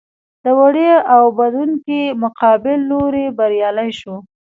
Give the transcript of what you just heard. د وړۍ اوبدونکو مقابل لوری بریالي شول.